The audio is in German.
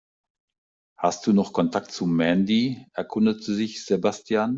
Hast du noch Kontakt zu Mandy?, erkundigte sich Sebastian.